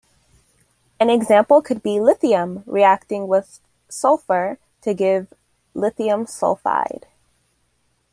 An example could be lithium reacting with sulphur to give lithium sulphide.